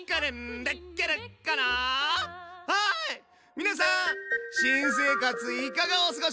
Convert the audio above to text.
皆さん新生活いかがお過ごし？